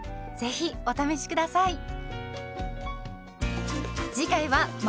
ぜひお試し下さい。